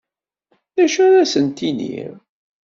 D acu ara asent-iniɣ?